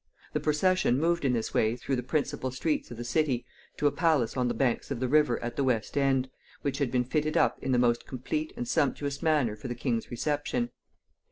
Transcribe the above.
The procession moved in this way through the principal streets of the city to a palace on the banks of the river at the West End, which had been fitted up in the most complete and sumptuous manner for the king's reception.